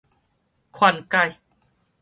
勸解